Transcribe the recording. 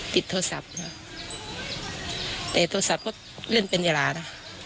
ติดโทรศัพท์เนอะแต่โทรศัพท์ก็เล่นเป็นเวลานะ